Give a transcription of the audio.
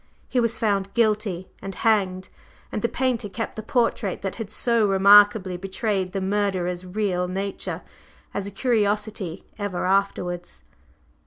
He was found guilty and hanged, and the painter kept the portrait that had so remarkably betrayed the murderer's real nature, as a curiosity ever afterwards."